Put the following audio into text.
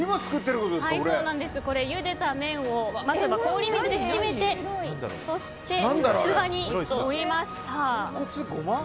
ゆでた麺をまずは氷水で締めてそして、器に盛りました。